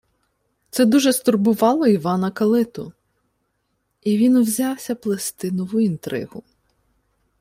Це дуже стурбувало Івана Калиту, і він взявся плести нову інтригу: